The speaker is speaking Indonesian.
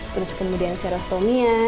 terus kemudian serostomia